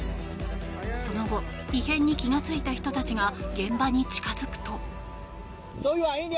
その後異変に気がついた人たちが現場に近付くと。